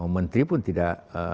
menteri pun tidak